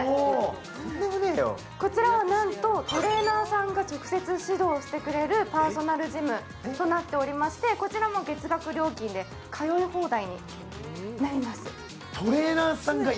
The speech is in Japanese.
こちらはなんとトレーナーさんが直接指導してくれるパーソナルジムとなっておりまして、こちらも月額料金で通い放題になります。